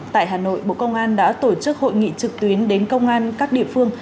tại hà nội bộ công an đã tổ chức hội nghị trực tuyến đến công an các địa phương